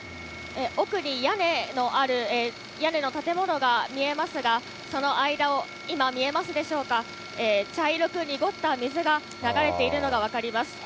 奥に屋根のある、屋根の建物が見えますが、その間を今、見えますでしょうか、茶色く濁った水が流れているのが分かります。